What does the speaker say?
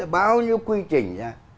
bao nhiêu quy trình